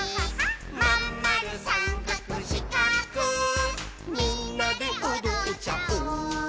「まんまるさんかくしかくみんなでおどっちゃおう」